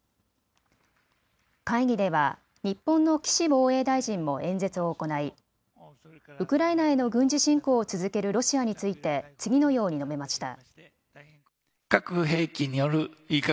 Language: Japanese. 会議では日本の岸防衛大臣も演説を行いウクライナへの軍事侵攻を続けるロシアについて次のように述べました。